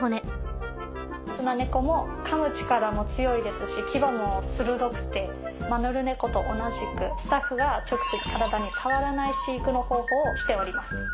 スナネコもかむ力も強いですし牙も鋭くてマヌルネコと同じくスタッフが直接体に触らない飼育の方法をしております。